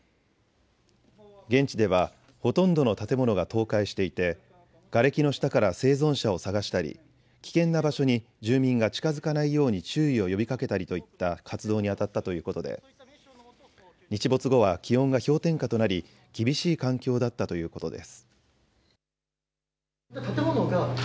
現地では、ほとんどの建物が倒壊していてがれきの下から生存者を探したり危険な場所に住民が近づかないように注意を呼びかけたりといった活動にあたったということで日没後は気温が氷点下となり厳しい環境だったということです。